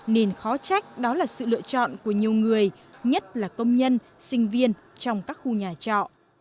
nên khó trách đó là sự lựa chọn của nhiều người nhất là công nhân sinh viên trong các khu nhà trọ